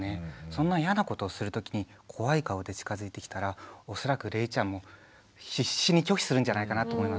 そんな嫌なことをする時に怖い顔で近づいてきたら恐らくれいちゃんも必死に拒否するんじゃないかなと思います。